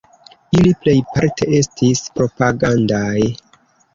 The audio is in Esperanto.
Ili plejparte estis propagandaj.